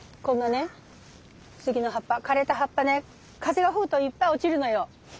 こんなね杉の葉っぱ枯れた葉っぱね風が吹くといっぱい落ちるのよ。